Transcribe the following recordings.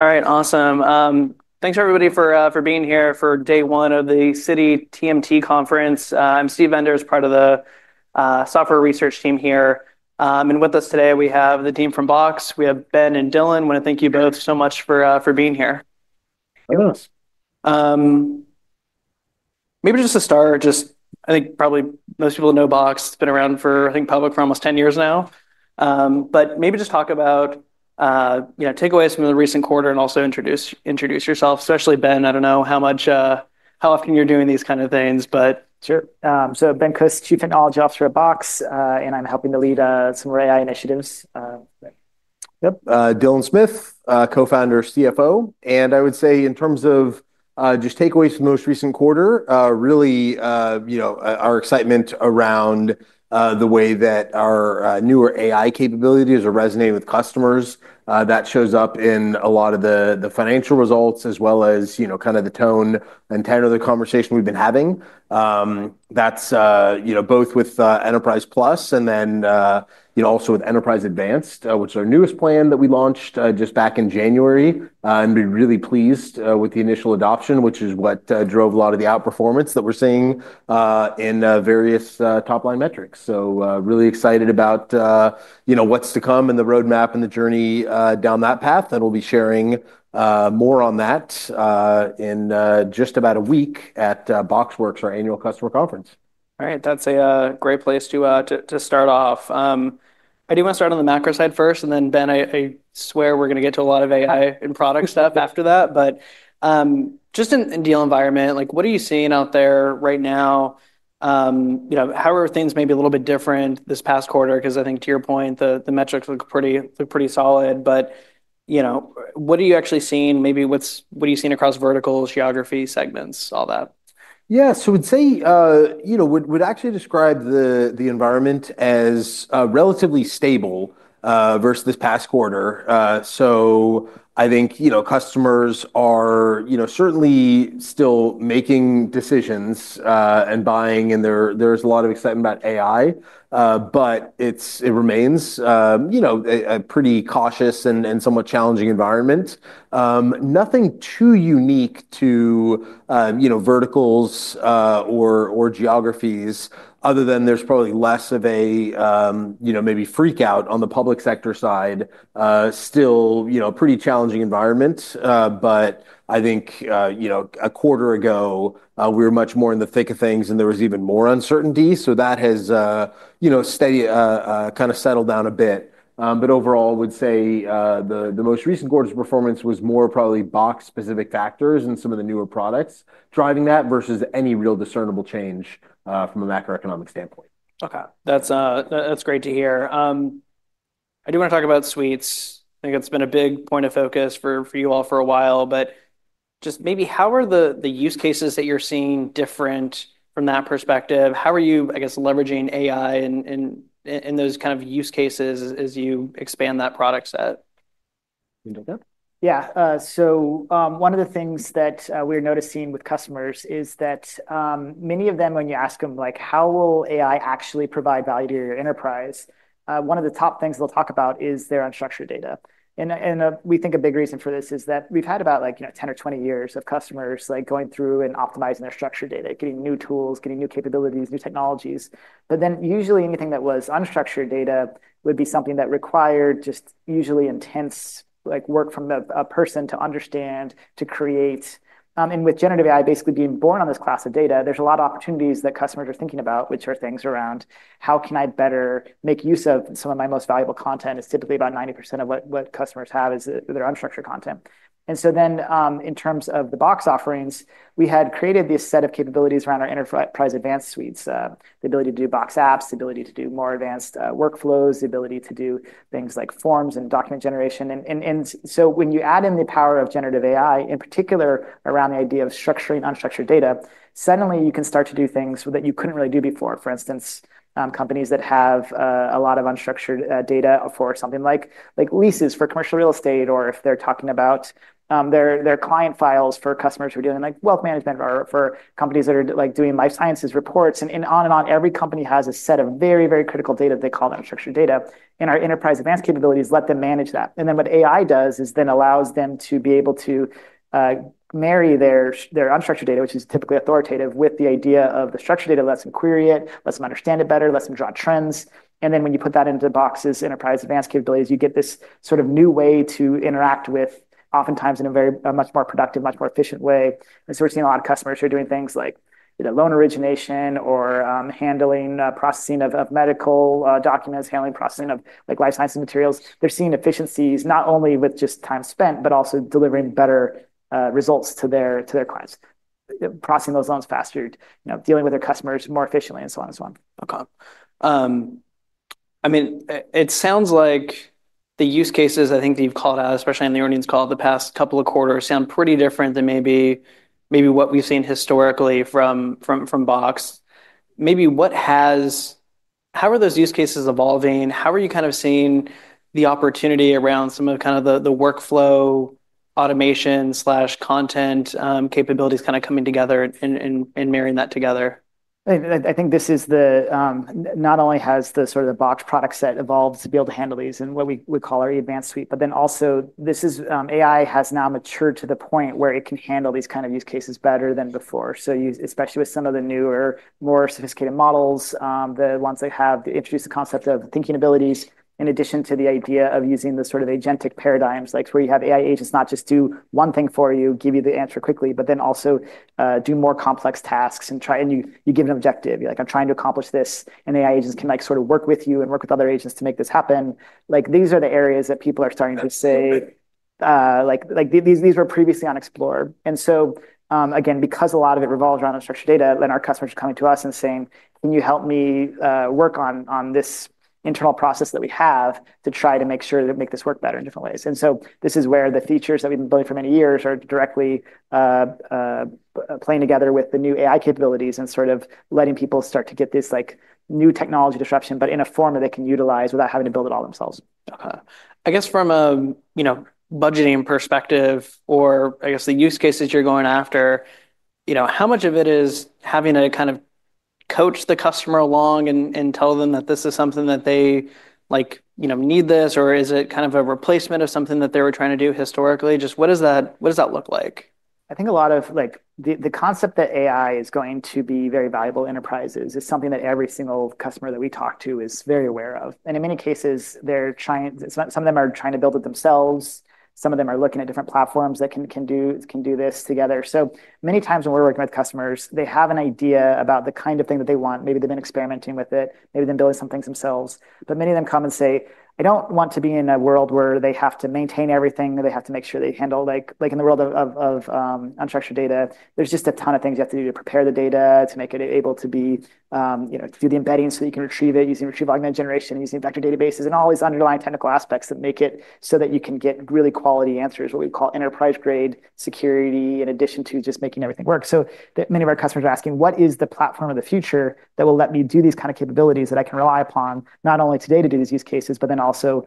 ... All right, awesome. Thanks everybody for being here for day one of the Citi TMT Conference. I'm Steve Enders, part of the software research team here. And with us today, we have the team from Box. We have Ben and Dylan. I want to thank you both so much for being here. Thanks. Maybe just to start, I think probably most people know Box. It's been around for, I think, public for almost ten years now. But maybe just talk about, you know, takeaways from the recent quarter, and also introduce yourself, especially Ben. I don't know how much, how often you're doing these kind of things, but- Sure. So Ben Kus, Chief Technology Officer at Box, and I'm helping to lead some of our AI initiatives, yep. Yep, Dylan Smith, Co-founder, CFO, and I would say in terms of just takeaways from the most recent quarter, really you know our excitement around the way that our newer AI capabilities are resonating with customers, that shows up in a lot of the financial results, as well as you know kind of the tone and tenor of the conversation we've been having. That's you know both with Enterprise Plus, and then you know also with Enterprise Advanced, which is our newest plan that we launched just back in January, and we're really pleased with the initial adoption, which is what drove a lot of the outperformance that we're seeing in various top-line metrics. So, really excited about, you know, what's to come and the roadmap and the journey down that path. And we'll be sharing more on that in just about a week at BoxWorks, our annual customer conference. All right. That's a great place to start off. I do want to start on the macro side first, and then, Ben, I swear we're going to get to a lot of AI and product stuff after that. But just in the deal environment, like, what are you seeing out there right now? You know, how are things maybe a little bit different this past quarter? 'Cause I think to your point, the metrics look pretty, they're pretty solid. But you know, what are you actually seeing? Maybe what are you seeing across verticals, geography, segments, all that? Yeah. So we'd say, you know, we'd actually describe the environment as relatively stable versus this past quarter. So I think, you know, customers are, you know, certainly still making decisions and buying, and there's a lot of excitement about AI. But it remains, you know, a pretty cautious and somewhat challenging environment. Nothing too unique to, you know, verticals or geographies, other than there's probably less of a, you know, maybe freak out on the public sector side. Still, you know, a pretty challenging environment, but I think, you know, a quarter ago, we were much more in the thick of things, and there was even more uncertainty. So that has, you know, steady kind of settled down a bit. But overall, I would say the most recent quarter's performance was more probably Box-specific factors and some of the newer products driving that, versus any real discernible change from a macroeconomic standpoint. Okay. That's great to hear. I do want to talk about Suites. I think it's been a big point of focus for you all for a while, but just maybe, how are the use cases that you're seeing different from that perspective? How are you, I guess, leveraging AI in those kind of use cases as you expand that product set? You want to go? Yeah, so one of the things that we're noticing with customers is that many of them, when you ask them, like, how will AI actually provide value to your enterprise? One of the top things they'll talk about is their unstructured data. And we think a big reason for this is that we've had about, like, you know, 10 or 20 years of customers, like, going through and optimizing their structured data, getting new tools, getting new capabilities, new technologies. But then usually anything that was unstructured data would be something that required just usually intense, like, work from a person to understand, to create. And with generative AI basically being born on this class of data, there's a lot of opportunities that customers are thinking about, which are things around: how can I better make use of some of my most valuable content? It's typically about 90% of what customers have is their unstructured content. And so then, in terms of the Box offerings, we had created this set of capabilities around our Enterprise Advanced Suites. The ability to do Box Apps, the ability to do more advanced workflows, the ability to do things like forms and document generation. And so when you add in the power of generative AI, in particular, around the idea of structuring unstructured data, suddenly you can start to do things that you couldn't really do before. For instance, companies that have a lot of unstructured data for something like leases for commercial real estate, or if they're talking about their client files for customers who are doing, like, wealth management, or for companies that are like doing life sciences reports, and on and on. Every company has a set of very, very critical data they call unstructured data, and our Enterprise Advanced capabilities let them manage that, and then what AI does is then allows them to be able to marry their unstructured data, which is typically authoritative, with the idea of the structured data, lets them query it, lets them understand it better, lets them draw trends. And then when you put that into Box's Enterprise Advanced capabilities, you get this sort of new way to interact with, oftentimes in a very much more productive, much more efficient way. And so we're seeing a lot of customers who are doing things like, you know, loan origination or handling processing of medical documents, handling processing of, like, life science and materials. They're seeing efficiencies not only with just time spent, but also delivering better results to their clients. Processing those loans faster, you know, dealing with their customers more efficiently, and so on and so on. Okay. I mean, it sounds like the use cases, I think that you've called out, especially on the earnings call the past couple of quarters, sound pretty different than maybe what we've seen historically from Box. Maybe what has... How are those use cases evolving? How are you kind of seeing the opportunity around some of the kind of the workflow automation/content capabilities kinda coming together and marrying that together?... I think this is not only has the sort of Box product set evolved to be able to handle these and what we call our advanced suite, but then also this is, AI has now matured to the point where it can handle these kind of use cases better than before. So especially with some of the newer, more sophisticated models, the ones that have introduced the concept of thinking abilities, in addition to the idea of using the sort of agentic paradigms, like where you have AI agents not just do one thing for you, give you the answer quickly, but then also do more complex tasks, and you give an objective. You're like, "I'm trying to accomplish this," and AI agents can, like, sort of work with you and work with other agents to make this happen. Like, these are the areas that people are starting to say- That's right. Like, these were previously unexplored, and so, again, because a lot of it revolves around unstructured data, then our customers are coming to us and saying, "Can you help me work on this internal process that we have to try to make sure to make this work better in different ways?", and so this is where the features that we've been building for many years are directly playing together with the new AI capabilities and sort of letting people start to get this, like, new technology disruption, but in a form that they can utilize without having to build it all themselves. Uh-huh. I guess from a, you know, budgeting perspective or I guess the use cases you're going after, you know, how much of it is having to kind of coach the customer along and tell them that this is something that they, like, you know, need this? Or is it kind of a replacement of something that they were trying to do historically? Just what does that look like? I think a lot of, like, the concept that AI is going to be very valuable to enterprises is something that every single customer that we talk to is very aware of, and in many cases, they're trying, some of them are trying to build it themselves. Some of them are looking at different platforms that can do this together. So many times when we're working with customers, they have an idea about the kind of thing that they want. Maybe they've been experimenting with it, maybe they've been building some things themselves. But many of them come and say, they don't want to be in a world where they have to maintain everything, that they have to make sure they handle... Like, in the world of, unstructured data, there's just a ton of things you have to do to prepare the data to make it able to be, you know, do the embedding, so you can retrieve it using retrieval augmented generation and using vector databases, and all these underlying technical aspects that make it so that you can get really quality answers, what we call enterprise-grade security, in addition to just making everything work. So many of our customers are asking, "What is the platform of the future that will let me do these kind of capabilities that I can rely upon, not only today to do these use cases, but then also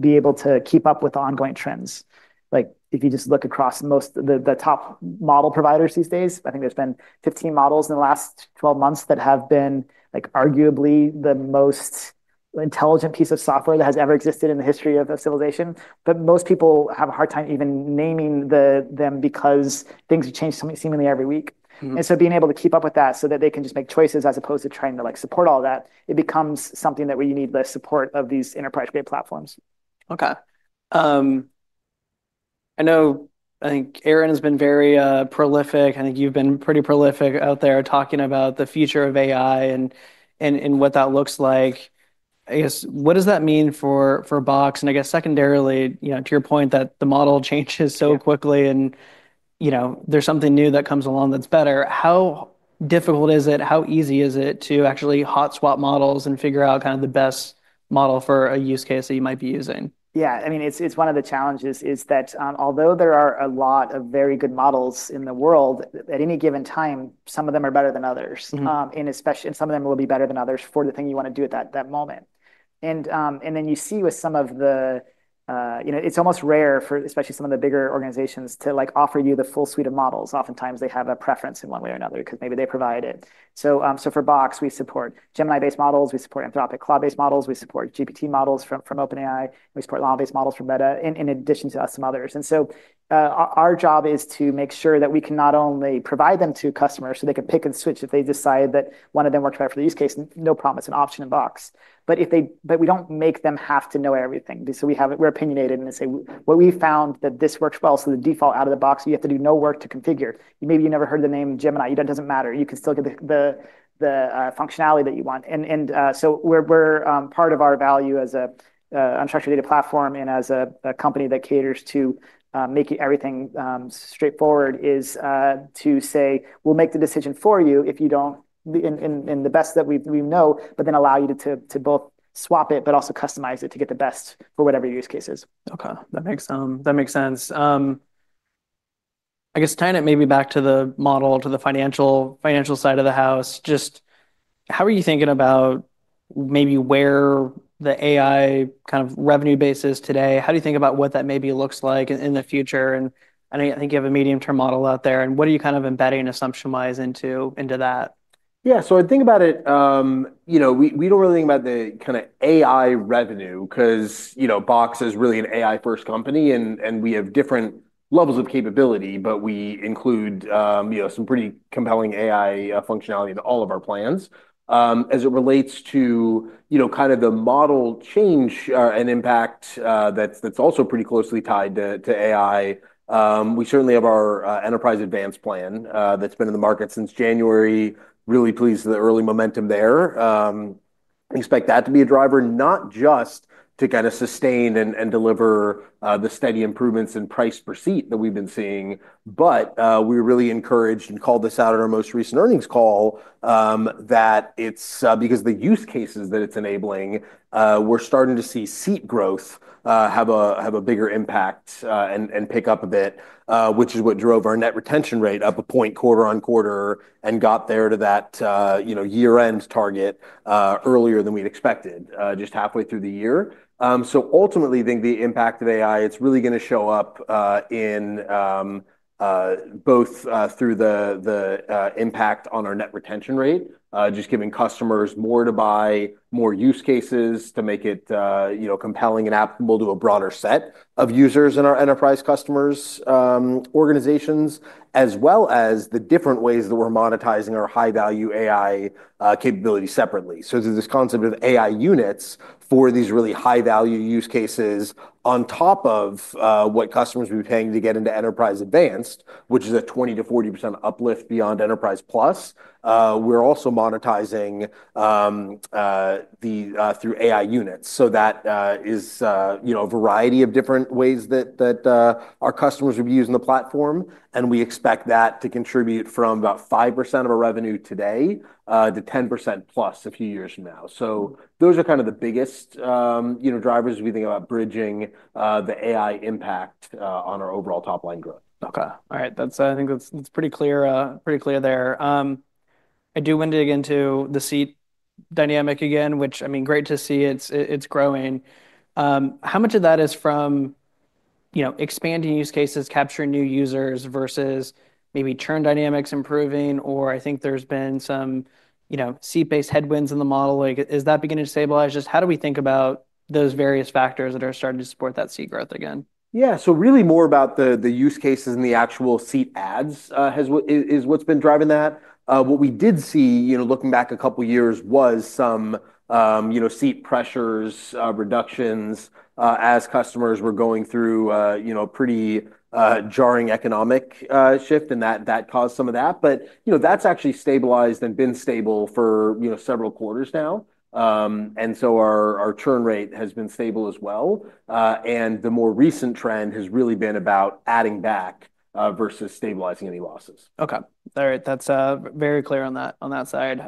be able to keep up with the ongoing trends?" Like, if you just look across most... The top model providers these days, I think there's been 15 models in the last 12 months that have been, like, arguably the most intelligent piece of software that has ever existed in the history of civilization. But most people have a hard time even naming them because things change seemingly every week. Mm-hmm. Being able to keep up with that so that they can just make choices as opposed to trying to, like, support all that, it becomes something that we need the support of these enterprise-grade platforms. Okay, I know, I think Aaron has been very prolific. I think you've been pretty prolific out there, talking about the future of AI and what that looks like. I guess, what does that mean for Box? And I guess secondarily, you know, to your point that the model changes so quickly- Yeah... and, you know, there's something new that comes along that's better, how difficult is it, how easy is it to actually hot-swap models and figure out kind of the best model for a use case that you might be using? Yeah, I mean, it's one of the challenges, is that, although there are a lot of very good models in the world, at any given time, some of them are better than others. Mm-hmm. Especially some of them will be better than others for the thing you want to do at that moment. And then you see with some of the. You know, it's almost rare for especially some of the bigger organizations to, like, offer you the full suite of models. Oftentimes, they have a preference in one way or another because maybe they provide it. So for Box, we support Gemini-based models, we support Anthropic Claude-based models, we support GPT models from OpenAI, and we support Llama-based models from Meta, in addition to some others. And so, our job is to make sure that we can not only provide them to customers, so they can pick and switch if they decide that one of them works better for the use case. No problem, it's an option in Box. But we don't make them have to know everything. We're opinionated and we say, "What we found that this works well, so the default out of the box, you have to do no work to configure." Maybe you never heard the name Gemini, it doesn't matter. You can still get the functionality that you want, so we're part of our value as a unstructured data platform and as a company that caters to making everything straightforward is to say, "We'll make the decision for you if you don't in the best that we know, but then allow you to both swap it but also customize it to get the best for whatever your use case is. Okay, that makes sense. I guess tying it maybe back to the model, to the financial side of the house, just how are you thinking about maybe where the AI kind of revenue base is today? How do you think about what that maybe looks like in the future? And I think you have a medium-term model out there, and what are you kind of embedding assumption-wise into that? Yeah. So I think about it, you know, we don't really think about the kinda AI revenue, 'cause, you know, Box is really an AI-first company, and we have different levels of capability, but we include, you know, some pretty compelling AI functionality to all of our plans. As it relates to, you know, kind of the model change and impact, that's also pretty closely tied to AI. We certainly have our Enterprise Advanced plan, that's been in the market since January. Really pleased with the early momentum there. We expect that to be a driver, not just to kind of sustain and deliver the steady improvements in price per seat that we've been seeing-... But, we're really encouraged and called this out at our most recent earnings call, that it's because the use cases that it's enabling, we're starting to see seat growth have a bigger impact and pick up a bit, which is what drove our net retention rate up a point quarter on quarter and got there to that, you know, year-end target earlier than we'd expected, just halfway through the year. So ultimately, I think the impact of AI, it's really gonna show up in both through the impact on our net retention rate just giving customers more to buy, more use cases to make it, you know, compelling and applicable to a broader set of users in our enterprise customers organizations, as well as the different ways that we're monetizing our high-value AI capabilities separately. So there's this concept of AI units for these really high-value use cases on top of what customers would be paying to get into Enterprise Advanced, which is a 20%-40% uplift beyond Enterprise Plus. We're also monetizing through AI units. So that is, you know, a variety of different ways that our customers would be using the platform, and we expect that to contribute from about 5% of our revenue today to 10% plus a few years from now. Those are kind of the biggest, you know, drivers we think about bridging the AI impact on our overall top-line growth. Okay. All right, that's, I think that's pretty clear there. I do want to dig into the seat dynamic again, which, I mean, great to see it's growing. How much of that is from, you know, expanding use cases, capturing new users, versus maybe churn dynamics improving, or I think there's been some, you know, seat-based headwinds in the model. Like, is that beginning to stabilize? Just how do we think about those various factors that are starting to support that seat growth again? Yeah, so really more about the use cases and the actual seat adds is what's been driving that. What we did see, you know, looking back a couple of years, was some you know seat pressures reductions as customers were going through, you know, a pretty jarring economic shift, and that that caused some of that, but you know that's actually stabilized and been stable for you know several quarters now, and so our churn rate has been stable as well, and the more recent trend has really been about adding back versus stabilizing any losses. Okay. All right, that's very clear on that, on that side.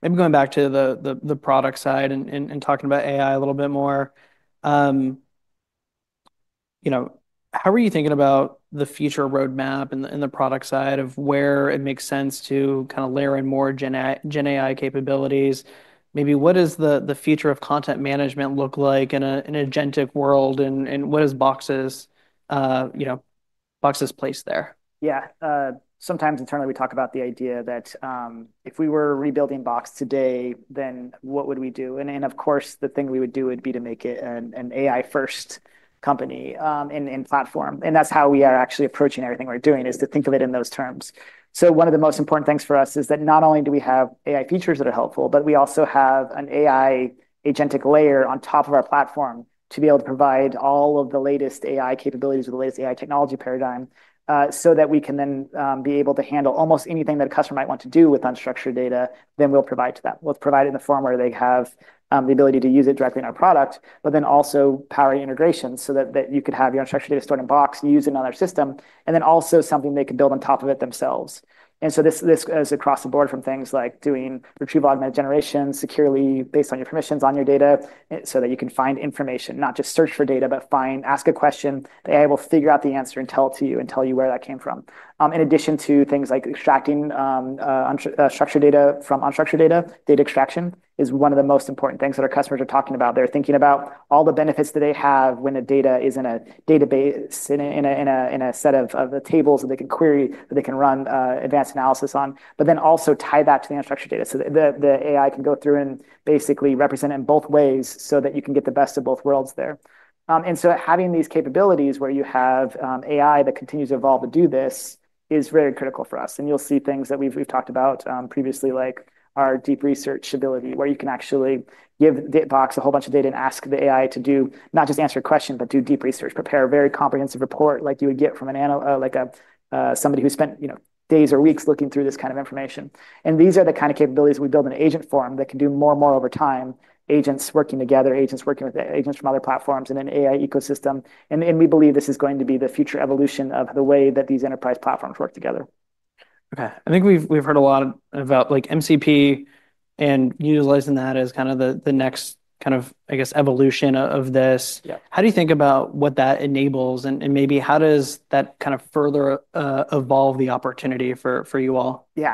Maybe going back to the product side and talking about AI a little bit more. You know, how are you thinking about the future roadmap in the product side of where it makes sense to kind of layer in more gen AI capabilities? Maybe what does the future of content management look like in an agentic world, and what is Box's, you know, Box's place there? Yeah. Sometimes internally, we talk about the idea that if we were rebuilding Box today, then what would we do? And then, of course, the thing we would do would be to make it an AI-first company and platform, and that's how we are actually approaching everything we're doing, is to think of it in those terms. So one of the most important things for us is that not only do we have AI features that are helpful, but we also have an AI agentic layer on top of our platform to be able to provide all of the latest AI capabilities with the latest AI technology paradigm, so that we can then be able to handle almost anything that a customer might want to do with unstructured data, then we'll provide to them. We'll provide it in a form where they have the ability to use it directly in our product, but then also power integrations so that that you could have your unstructured data stored in Box and use it in another system, and then also something they could build on top of it themselves. And so this is across the board from things like doing retrieval augmented generation securely based on your permissions on your data, so that you can find information, not just search for data, but find, ask a question, the AI will figure out the answer and tell it to you and tell you where that came from. In addition to things like extracting structured data from unstructured data, data extraction is one of the most important things that our customers are talking about. They're thinking about all the benefits that they have when the data is in a database, in a set of tables that they can query, that they can run advanced analysis on, but then also tie that to the unstructured data. So the AI can go through and basically represent it in both ways so that you can get the best of both worlds there. And so having these capabilities where you have AI that continues to evolve to do this is very critical for us, and you'll see things that we've talked about previously, like our deep research ability, where you can actually give the Box a whole bunch of data and ask the AI to do, not just answer a question, but do deep research. Prepare a very comprehensive report, like you would get from an analyst, like a somebody who spent, you know, days or weeks looking through this kind of information. These are the kind of capabilities we build in agent form that can do more and more over time, agents working together, agents working with agents from other platforms in an AI ecosystem. We believe this is going to be the future evolution of the way that these enterprise platforms work together. Okay. I think we've heard a lot about, like, MCP and utilizing that as kind of the next kind of, I guess, evolution of this. Yeah. How do you think about what that enables, and maybe how does that kind of further evolve the opportunity for you all? Yeah,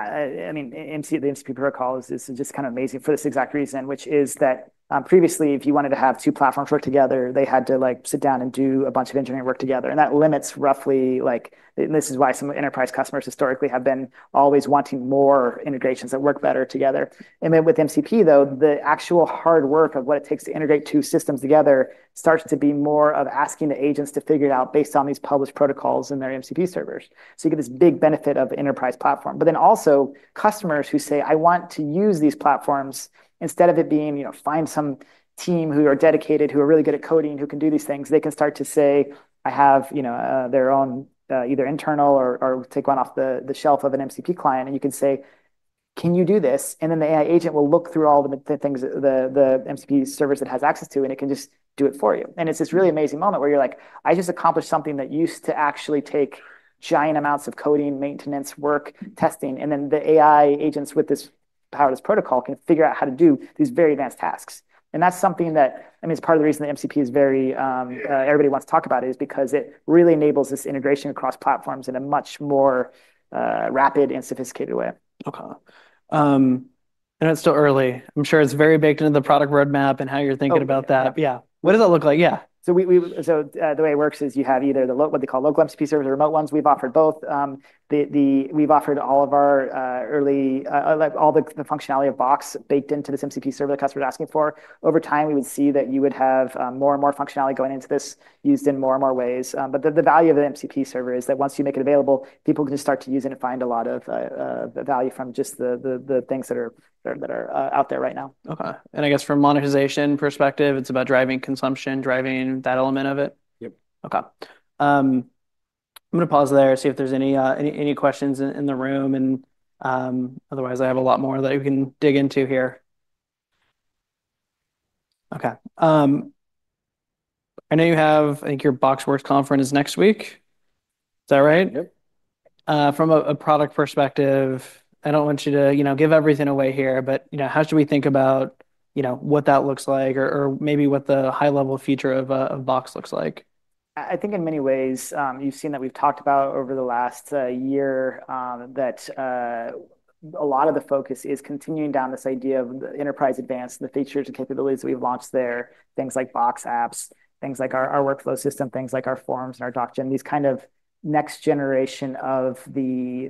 I mean, MCP - the MCP protocol is just kind of amazing for this exact reason, which is that, previously, if you wanted to have two platforms work together, they had to, like, sit down and do a bunch of engineering work together, and that limits roughly, like. This is why some enterprise customers historically have been always wanting more integrations that work better together. Then with MCP, though, the actual hard work of what it takes to integrate two systems together starts to be more of asking the agents to figure it out based on these published protocols in their MCP servers. So you get this big benefit of the enterprise platform, but then also customers who say, "I want to use these platforms," instead of it being, you know, find some team who are dedicated, who are really good at coding, who can do these things, they can start to say, I have, you know, their own, either internal or take one off the shelf of an MCP client, and you can say... "Can you do this?" And then the AI agent will look through all the things, the MCP service it has access to, and it can just do it for you. And it's this really amazing moment where you're like, "I just accomplished something that used to actually take giant amounts of coding, maintenance, work, testing," and then the AI agents with this powerful protocol can figure out how to do these very advanced tasks. And that's something that, I mean, it's part of the reason the MCP is very. Yeah... everybody wants to talk about it, is because it really enables this integration across platforms in a much more, rapid and sophisticated way. Okay. I know it's still early. I'm sure it's very baked into the product roadmap and how you're thinking about that. Oh, yep. Yeah. What does that look like? Yeah. So, the way it works is you have either what they call local MCP servers or remote ones. We've offered both. We've offered all of our, like, all the functionality of Box baked into this MCP server the customer is asking for. Over time, we would see that you would have more and more functionality going into this, used in more and more ways. But the value of an MCP server is that once you make it available, people can just start to use it and find a lot of value from just the things that are out there right now. Okay. And I guess from a monetization perspective, it's about driving consumption, driving that element of it? Yep. Okay. I'm going to pause there, see if there's any questions in the room. Otherwise, I have a lot more that we can dig into here. Okay, I know you have... I think your BoxWorks conference is next week. Is that right? Yep. From a product perspective, I don't want you to, you know, give everything away here, but, you know, how should we think about, you know, what that looks like or maybe what the high-level feature of Box looks like? I think in many ways, you've seen that we've talked about over the last year, that a lot of the focus is continuing down this idea of the Enterprise Advanced, the features and capabilities that we've launched there. Things like Box Apps, things like our workflow system, things like our forms and our Doc Gen. These kind of next generation of the,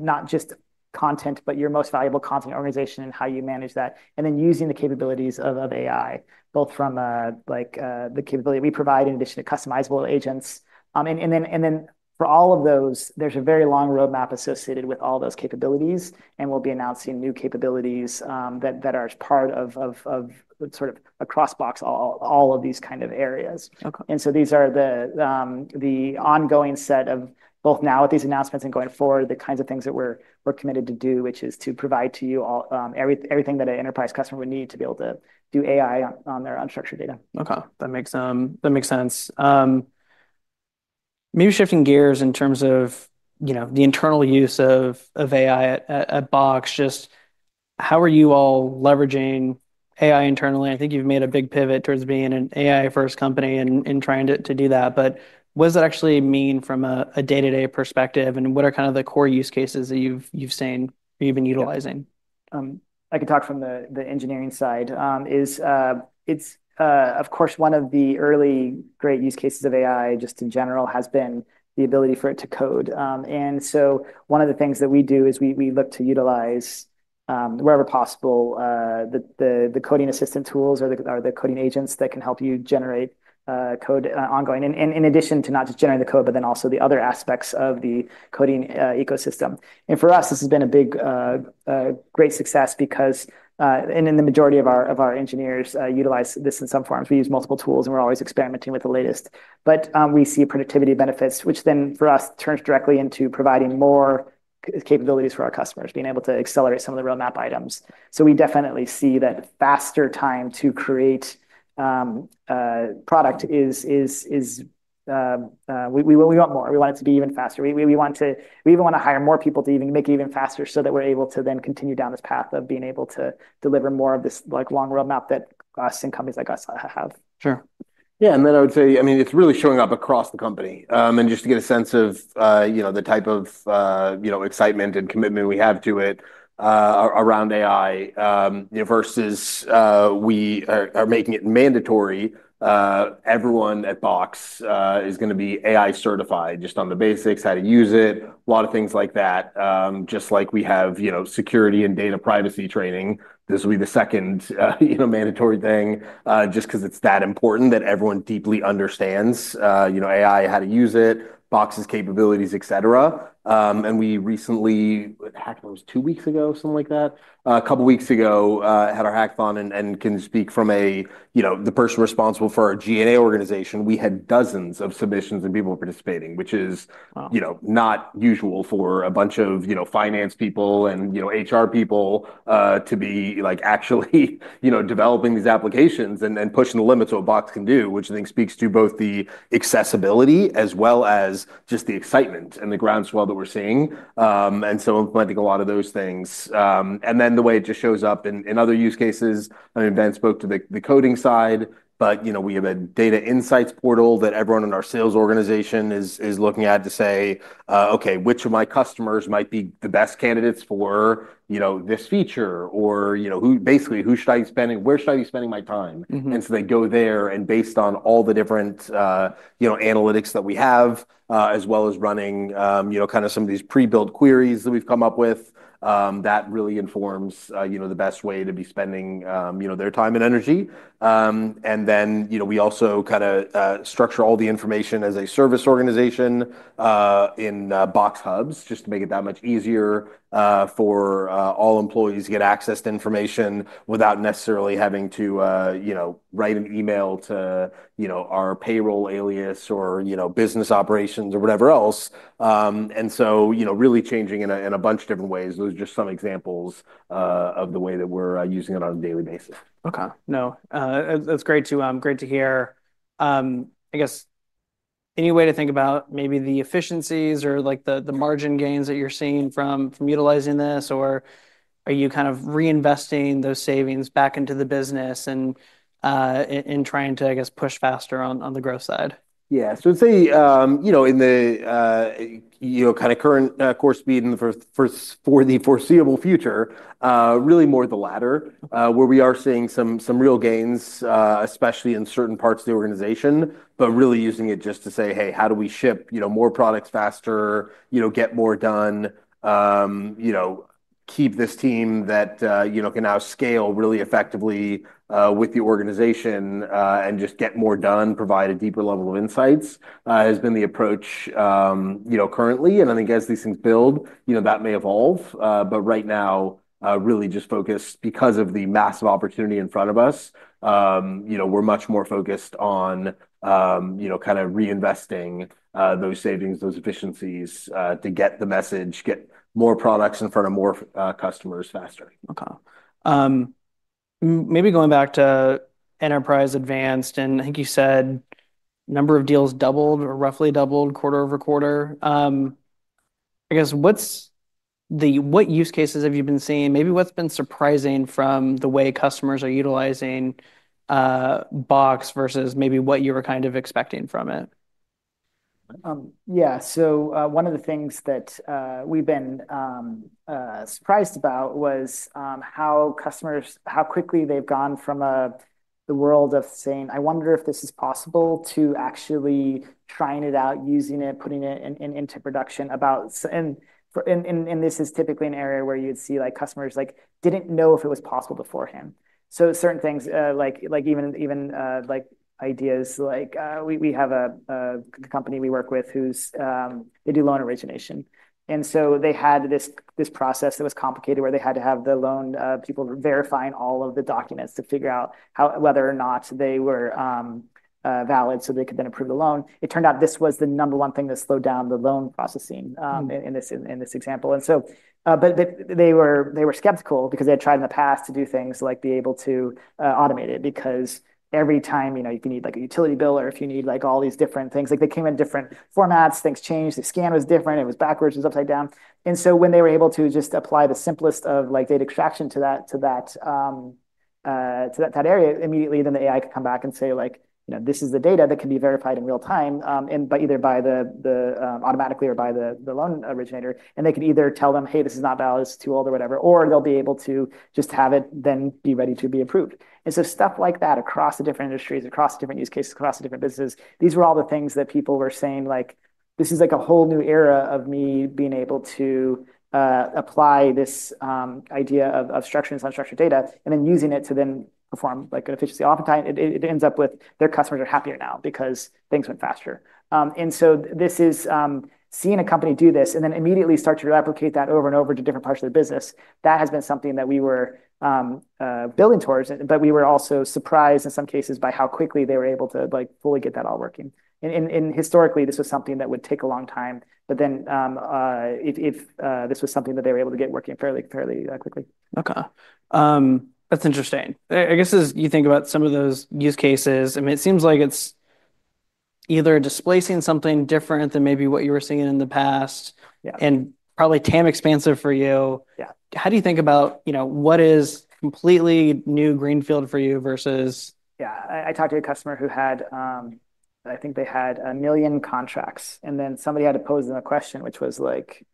not just content, but your most valuable content organization and how you manage that. And then using the capabilities of AI, both from, like, the capability we provide, in addition to customizable agents. And then for all of those, there's a very long roadmap associated with all those capabilities, and we'll be announcing new capabilities that are part of, sort of, across Box, all of these kind of areas. Okay. These are the ongoing set of both now with these announcements and going forward, the kinds of things that we're committed to do, which is to provide to you all everything that an enterprise customer would need to be able to do AI on their unstructured data. Okay, that makes sense. Maybe shifting gears in terms of, you know, the internal use of AI at Box. Just how are you all leveraging AI internally? I think you've made a big pivot towards being an AI-first company and trying to do that. But what does that actually mean from a day-to-day perspective, and what are kind of the core use cases that you've seen or you've been utilizing? I can talk from the engineering side. It's, of course, one of the early great use cases of AI, just in general, has been the ability for it to code. And so one of the things that we do is we look to utilize, wherever possible, the coding assistant tools or the coding agents that can help you generate code ongoing. And in addition to not just generating the code, but then also the other aspects of the coding ecosystem. And for us, this has been a big great success because... and the majority of our engineers utilize this in some form. So we use multiple tools, and we're always experimenting with the latest. But we see productivity benefits, which then, for us, turns directly into providing more capabilities for our customers, being able to accelerate some of the roadmap items, so we definitely see that faster time to create product is. We want more. We want it to be even faster. We even want to hire more people to even make it even faster, so that we're able to then continue down this path of being able to deliver more of this, like, long roadmap that us and companies like us have. Sure. Yeah, and then I would say, I mean, it's really showing up across the company, and just to get a sense of, you know, the type of, you know, excitement and commitment we have to it, around AI, you know, versus we are making it mandatory. Everyone at Box is going to be AI certified, just on the basics, how to use it, a lot of things like that. Just like we have, you know, security and data privacy training, this will be the second, you know, mandatory thing. Just 'cause it's that important that everyone deeply understands, you know, AI, how to use it, Box's capabilities, et cetera, and we recently, heck, what was it, two weeks ago, something like that? A couple weeks ago, had our hackathon and can speak from a, you know, the person responsible for our G&A organization, we had dozens of submissions and people participating, which is- Wow... you know, not usual for a bunch of, you know, finance people and, you know, HR people to be, like, actually, you know, developing these applications and then pushing the limits of what Box can do. Which I think speaks to both the accessibility, as well as just the excitement and the groundswell that we're seeing, and so implementing a lot of those things. And then, the way it just shows up in other use cases, I mean, Ben spoke to the coding side, but, you know, we have a data insights portal that everyone in our sales organization is looking at to say, "Okay, which of my customers might be the best candidates for, you know, this feature?" Or, you know, "Who... Basically, who should I be spending, where should I be spending my time? Mm-hmm. And so they go there, and based on all the different, you know, analytics that we have, as well as running, you know, kind of some of these pre-built queries that we've come up with, that really informs, you know, the best way to be spending, you know, their time and energy. And then, you know, we also kind of structure all the information as a service organization in Box Hubs, just to make it that much easier for all employees to get access to information without necessarily having to, you know, write an email to, you know, our payroll alias or, you know, business operations or whatever else. And so, you know, really changing in a bunch of different ways. Those are just some examples, of the way that we're using it on a daily basis. Okay. No, that's great to hear. Any way to think about maybe the efficiencies or, like, the margin gains that you're seeing from utilizing this? Or are you kind of reinvesting those savings back into the business and in trying to, I guess, push faster on the growth side? Yeah. So I'd say, you know, in the, you know, kind of current course for the foreseeable future, really more the latter, where we are seeing some real gains, especially in certain parts of the organization, but really using it just to say, "Hey, how do we ship, you know, more products faster, you know, get more done," you know, keep this team that, you know, can now scale really effectively with the organization, and just get more done, provide a deeper level of insights, has been the approach, you know, currently, and I think as these things build, you know, that may evolve, but right now, really just focused because of the massive opportunity in front of us. You know, we're much more focused on, you know, kind of reinvesting those savings, those efficiencies, to get the message, get more products in front of more customers faster. Okay. Maybe going back to Enterprise Advanced, and I think you said number of deals doubled or roughly doubled quarter over quarter. I guess, what's the... What use cases have you been seeing? Maybe what's been surprising from the way customers are utilizing Box versus maybe what you were kind of expecting from it? Yeah. So one of the things that we've been surprised about was how quickly they've gone from the world of saying, "I wonder if this is possible," to actually trying it out, using it, putting it into production and this is typically an area where you'd see, like, customers, like, didn't know if it was possible beforehand. So certain things, like even ideas like we have a company we work with whose they do loan origination, and so they had this process that was complicated, where they had to have the loan people verifying all of the documents to figure out whether or not they were valid, so they could then approve the loan. It turned out this was the number one thing that slowed down the loan processing. Mm... in this example. And so, but they were skeptical because they had tried in the past to do things like be able to automate it, because every time, you know, you need, like, a utility bill or if you need, like, all these different things, like, they came in different formats, things changed, the scan was different, it was backwards, it was upside down. And so when they were able to just apply the simplest of, like, data extraction to that area, immediately then the AI could come back and say, like, "You know, this is the data that can be verified in real time," and by either automatically or by the loan originator. And they could either tell them, "Hey, this is not valid, it's too old," or whatever. Or they'll be able to just have it then be ready to be approved. And so stuff like that across the different industries, across the different use cases, across the different businesses, these were all the things that people were saying, like, "This is like a whole new era of me being able to apply this idea of structured and unstructured data," and then using it to then perform, like, an efficiency. Oftentimes, it ends up with their customers are happier now because things went faster. And so this is... Seeing a company do this, and then immediately start to replicate that over and over to different parts of their business, that has been something that we were building towards, but we were also surprised, in some cases, by how quickly they were able to, like, fully get that all working, and historically, this was something that would take a long time, but then this was something that they were able to get working fairly quickly. Okay. That's interesting. I guess as you think about some of those use cases, I mean, it seems like it's either displacing something different than maybe what you were seeing in the past- Yeah... and probably too expensive for you. Yeah. How do you think about, you know, what is completely new greenfield for you versus- Yeah. I talked to a customer who had. I think they had a million contracts, and then somebody had to pose them a question, which was like: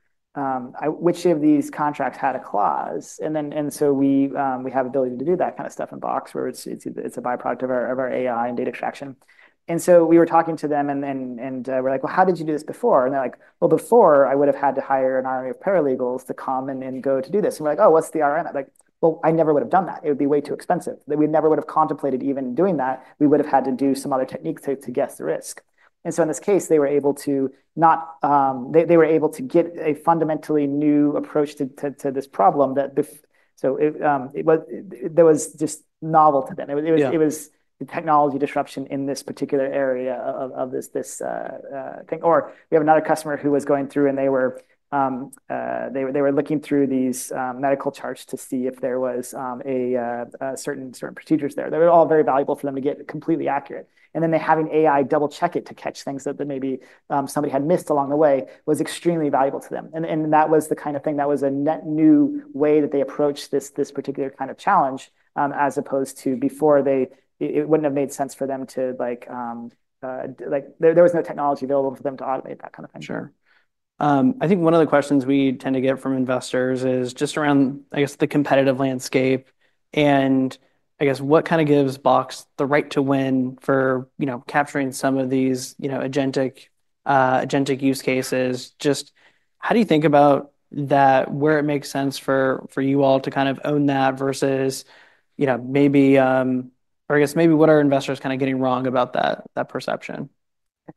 which of these contracts had a clause? And then, and so we have ability to do that kind of stuff in Box, where it's a by-product of our AI and data extraction. And so we were talking to them, and then, and we're like: "Well, how did you do this before?" And they're like: "Well, before I would've had to hire an army of paralegals to come and go to do this." And we're like: "Oh, what's the ROI?" They're like: "Well, I never would've done that. It would be way too expensive. We never would've contemplated even doing that. We would've had to do some other technique to guess the risk," and so in this case, they were able to not... They were able to get a fundamentally new approach to this problem, so it was just novel to them. Yeah. It was a technology disruption in this particular area of this thing, or we have another customer who was going through, and they were looking through these medical charts to see if there was a certain procedures there. They were all very valuable for them to get completely accurate, and then they're having AI double-check it to catch things that maybe somebody had missed along the way, was extremely valuable to them, and that was the kind of thing that was a net new way that they approached this particular kind of challenge, as opposed to before they... It wouldn't have made sense for them to, like, there was no technology available for them to automate that kind of thing. Sure. I think one of the questions we tend to get from investors is just around, I guess, the competitive landscape, and I guess, what kind of gives Box the right to win for, you know, capturing some of these, you know, agentic use cases? Just how do you think about that, where it makes sense for you all to kind of own that versus, you know, maybe... Or I guess, maybe what are investors kind of getting wrong about that perception?...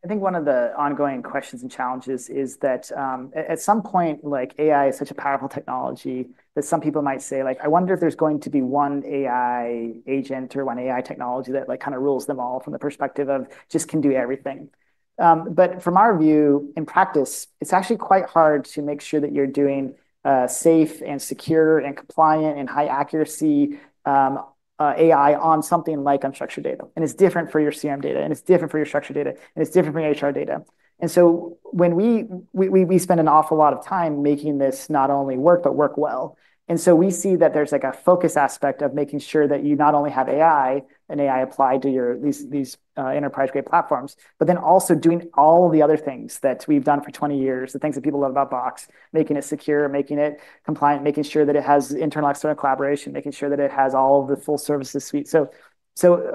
I think one of the ongoing questions and challenges is that, at some point, like, AI is such a powerful technology, that some people might say, like, "I wonder if there's going to be one AI agent or one AI technology that, like, kind of rules them all from the perspective of just can do everything." But from our view, in practice, it's actually quite hard to make sure that you're doing safe and secure and compliant and high accuracy AI on something like unstructured data. And it's different for your ECM data, and it's different for your structured data, and it's different from your HR data. And so when we spend an awful lot of time making this not only work, but work well. And so we see that there's, like, a focus aspect of making sure that you not only have AI applied to these enterprise-grade platforms, but then also doing all the other things that we've done for twenty years, the things that people love about Box: making it secure, making it compliant, making sure that it has internal external collaboration, making sure that it has all of the full services suite. So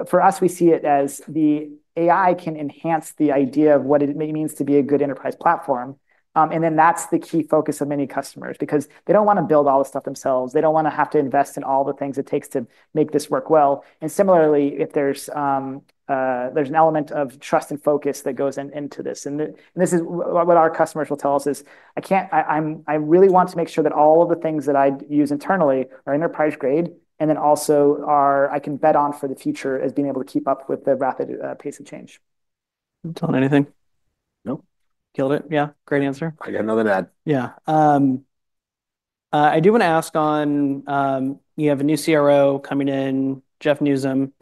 for us, we see it as the AI can enhance the idea of what it means to be a good enterprise platform. And then that's the key focus of many customers, because they don't want to build all the stuff themselves. They don't want to have to invest in all the things it takes to make this work well. Similarly, if there's an element of trust and focus that goes into this. This is what our customers will tell us: "I can't. I really want to make sure that all of the things that I use internally are enterprise-grade, and then also are. I can bet on for the future as being able to keep up with the rapid pace of change. Want to add anything? Nope. Killed it. Yeah, great answer. I got nothing to add. Yeah. I do want to ask on, you have a new CRO coming in, Jeff Newsom.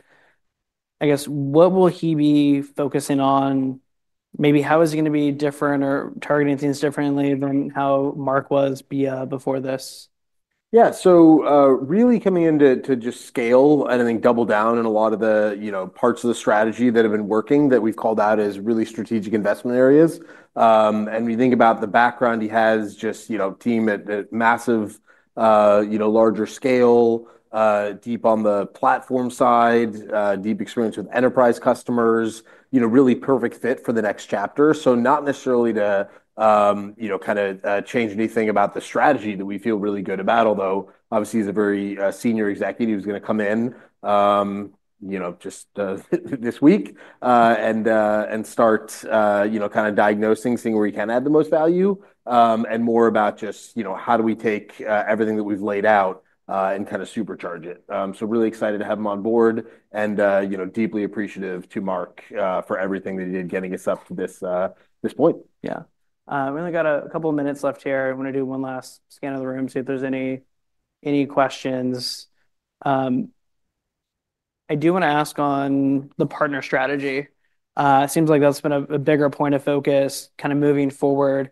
I guess, what will he be focusing on? Maybe how is he going to be different or targeting things differently than how Mark was before this? Yeah, so, really coming in to just scale and I think double down on a lot of the, you know, parts of the strategy that have been working, that we've called out as really strategic investment areas. And when you think about the background, he has just, you know, team at massive, you know, larger scale, deep on the platform side, deep experience with enterprise customers. You know, really perfect fit for the next chapter. So not necessarily to, you know, kind of change anything about the strategy that we feel really good about, although obviously, he's a very senior executive who's going to come in, you know, just this week, and start, you know, kind of diagnosing, seeing where he can add the most value. And more about just, you know, how do we take everything that we've laid out and kind of supercharge it? So really excited to have him on board and, you know, deeply appreciative to Mark for everything that he did getting us up to this point. Yeah. We only got a couple of minutes left here. I want to do one last scan of the room, see if there's any questions. I do want to ask on the partner strategy. It seems like that's been a bigger point of focus kind of moving forward.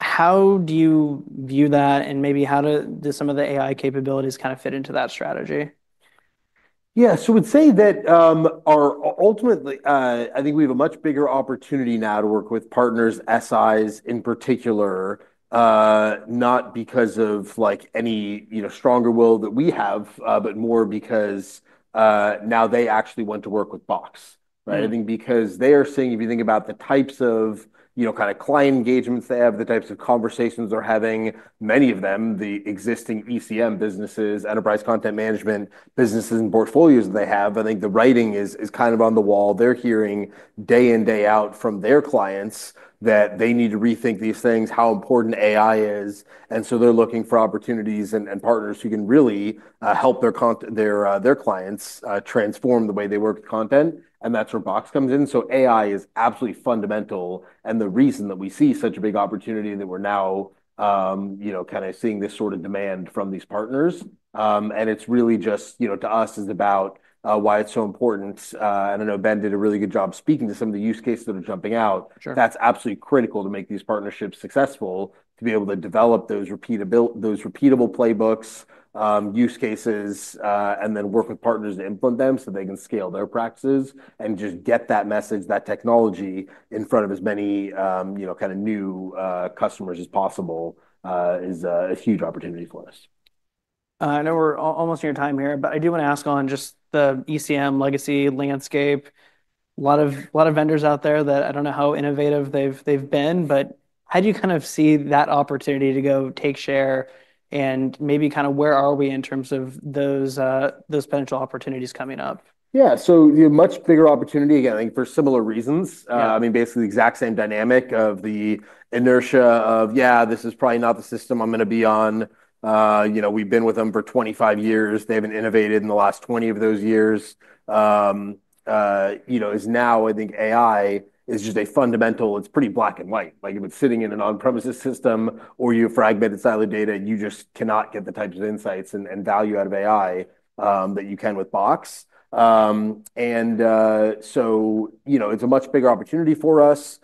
How do you view that, and maybe how do some of the AI capabilities kind of fit into that strategy? Yeah, so I would say that, our... Ultimately, I think we have a much bigger opportunity now to work with partners, SIs in particular, not because of, like, any, you know, stronger will that we have, but more because, now they actually want to work with Box, right? Mm. I think because they are seeing, if you think about the types of, you know, kind of client engagements they have, the types of conversations they're having, many of them, the existing ECM businesses, Enterprise Content Management businesses and portfolios they have, I think the writing is kind of on the wall. They're hearing day in, day out from their clients that they need to rethink these things, how important AI is, and so they're looking for opportunities and partners who can really help their clients transform the way they work with content, and that's where Box comes in. So AI is absolutely fundamental, and the reason that we see such a big opportunity, and that we're now, you know, kind of seeing this sort of demand from these partners. And it's really just, you know, to us, is about why it's so important. And I know Ben did a really good job speaking to some of the use cases that are jumping out. Sure. That's absolutely critical to make these partnerships successful, to be able to develop those repeatable playbooks, use cases, and then work with partners to implement them, so they can scale their practices and just get that message, that technology in front of as many, you know, kind of new customers as possible, is a huge opportunity for us. I know we're almost near time here, but I do want to ask on just the ECM legacy landscape. A lot of vendors out there that I don't know how innovative they've been, but how do you kind of see that opportunity to go take share? And maybe kind of where are we in terms of those potential opportunities coming up? Yeah, so a much bigger opportunity, again, I think for similar reasons. Yeah. I mean, basically the exact same dynamic of the inertia of, "Yeah, this is probably not the system I'm going to be on." You know, "We've been with them for 25 years. They haven't innovated in the last 20 of those years." You know, is now I think AI is just a fundamental... It's pretty black and white. Like, if it's sitting in an on-premises system or you have fragmented siloed data, you just cannot get the types of insights and value out of AI that you can with Box. So, you know, it's a much bigger opportunity for us.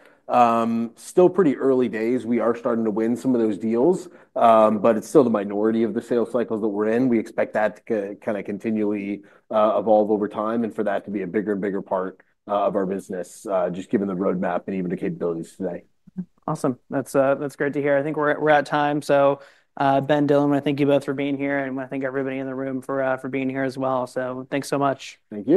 Still pretty early days. We are starting to win some of those deals, but it's still the minority of the sales cycles that we're in. We expect that to kind of continually evolve over time and for that to be a bigger and bigger part of our business just given the roadmap and even the capabilities today. Awesome. That's great to hear. I think we're at time, so Ben, Dylan, I thank you both for being here, and I thank everybody in the room for being here as well. So thanks so much. Thank you.